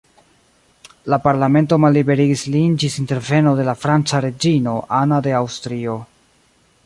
La Parlamento malliberigis lin ĝis interveno de la franca reĝino Anna de Aŭstrio.